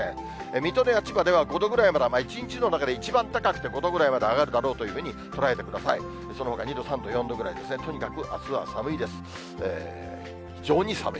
水戸や千葉では５度ぐらいまで、一日の中で一番高くて５度ぐらいまで上がるだろうというふうに捉えてください。